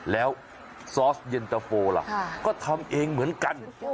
แล้วซอสเย็นตะโฟล่ะก็ทำเองเหมือนกัน